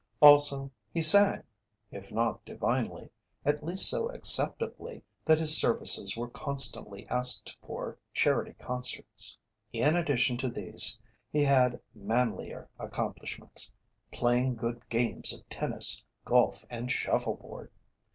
Also he sang if not divinely, at least so acceptably that his services were constantly asked for charity concerts. In addition to these he had manlier accomplishments, playing good games of tennis, golf, and shuffle board.